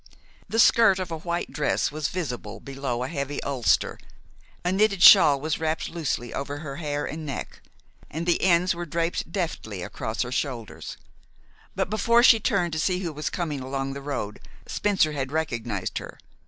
The skirt of a white dress was visible below a heavy ulster; a knitted shawl was wrapped loosely over her hair and neck, and the ends were draped deftly across her shoulders; but before she turned to see who was coming along the road Spencer had recognized her.